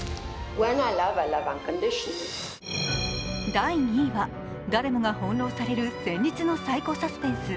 第２位は誰もが翻弄される戦慄のサイコサスペンス。